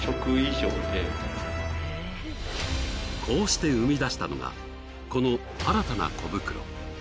こうして生み出したのがこの新たな小袋。